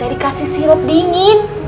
dikasih sirup dingin